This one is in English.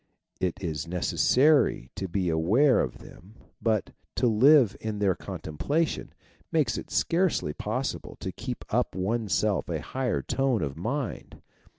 It is necessary to be aware of them; but to live in their contemplation makes it scarcely possible to keep up in oneself a high tone of mind.